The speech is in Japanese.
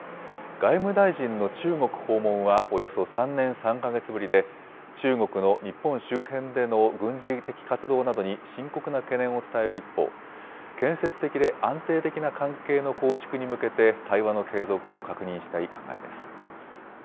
外務大臣の中国訪問は、およそ３年３か月ぶりで、中国の日本周辺での軍事的活動などに深刻な懸念を伝える一方、建設的で安定的な関係の構築に向けて、対話の継続を確認したい考えです。